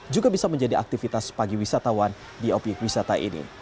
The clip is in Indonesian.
juga bisa menjadi aktivitas pagi wisatawan di obyek wisata ini